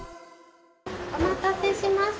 お待たせしました。